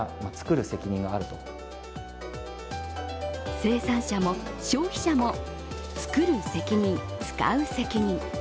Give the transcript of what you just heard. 生産者も消費者も、つくる責任、使う責任。